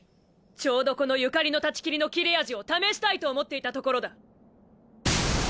ちょうどこの所縁の断ち切りの切れ味を試したいと思っていたところだ。